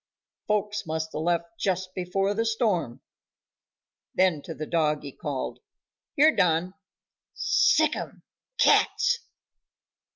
"Folks must've left just before the storm." Then to the dog he called, "Here, Don, sick'em cats!"